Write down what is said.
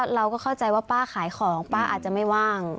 เราก็เข้าใจว่าป้าขายของป้าอาจจะไม่ว่าง